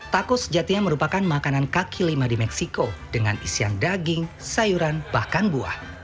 tako sejatinya merupakan makanan kaki lima di meksiko dengan isian daging sayuran bahkan buah